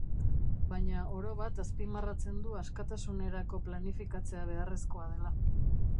Baina orobat azpimarratzen du askatasunerako planifikatzea beharrezkoa dela.